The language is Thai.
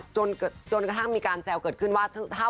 จนกระทั่งมีการแซวเกิดขึ้นว่า